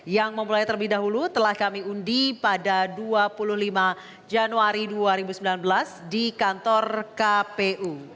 yang memulai terlebih dahulu telah kami undi pada dua puluh lima januari dua ribu sembilan belas di kantor kpu